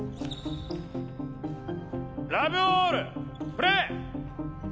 ラブオールプレー。